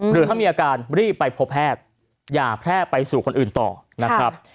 หรือถ้ามีอาการรีบไปพบแพทย์อย่าแพร่ไปสู่คนอื่นต่อนะครับ